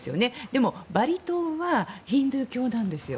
でも、バリ島はヒンドゥー教なんですよ。